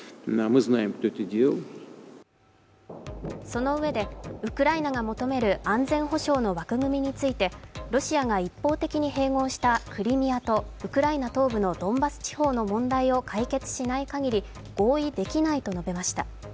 そのうえで、ウクライナが求める安全保障の枠組みについてロシアが一方的に併合したクリミアとウクライナ東部のドンバス地方の問題を解決しないかぎり合意できないと述べました。